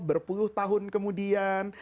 berpuluh tahun kemudian